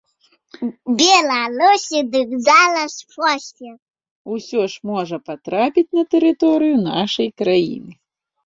Беларусі, дык зараз фосфар усё ж можа патрапіць на тэрыторыю нашай краіны.